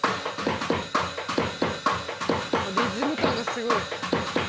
リズム感がすごい。